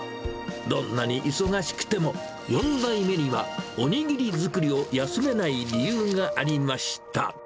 どんなに忙しくても、４代目には、おにぎり作りを休めない理由がありました。